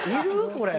これ。